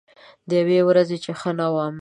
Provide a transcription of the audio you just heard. د یوې ورځې چې ښه نه وم